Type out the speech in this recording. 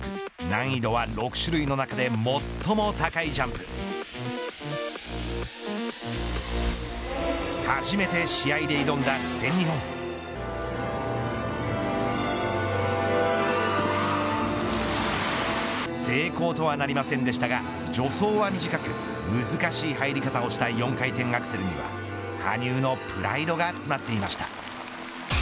難易度は６種類の中で最も高いジャンプ初めて試合で挑んだ全日本成功とはなりませんでしたが助走は短く難しい入り方をした４回でアクセルに羽生のプライドが詰まっていました。